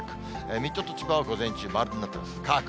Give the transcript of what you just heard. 水戸と千葉は午前中、丸になってます、乾く。